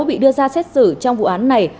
bị đưa ra xét xử trong vụ án này